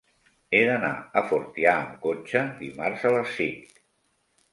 He d'anar a Fortià amb cotxe dimarts a les cinc.